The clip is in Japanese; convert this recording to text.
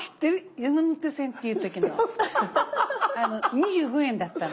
２５円だったの。